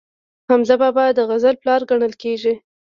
حمزه بابا د غزل پلار ګڼل کیږي.